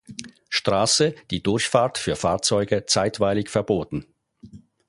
Straße die Durchfahrt für Fahrzeuge zeitweilig verboten.